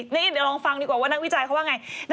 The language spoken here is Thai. เดี๋ยวลองฟังดีกว่านักวิจัยเขาว่าอย่างไร